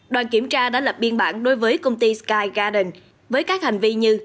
đoàn kiểm tra đã lập biên bản đối với công ty sky garden với các hành vi như